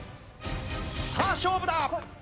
さあ勝負だ！